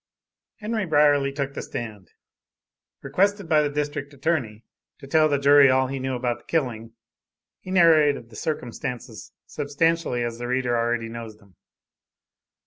Henry Brierly took the stand. Requested by the District Attorney to tell the jury all he knew about the killing, he narrated the circumstances substantially as the reader already knows them.